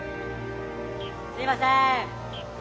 すいません！